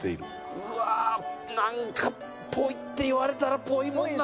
うわあなんか「っぽい」って言われたら「っぽい」もんな。